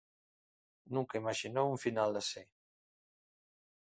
Nunca imaxinou un final así.